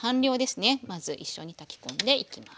まず一緒に炊き込んでいきます。